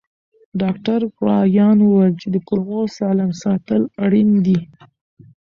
ډاکټر کرایان وویل چې کولمو سالم ساتل اړین دي.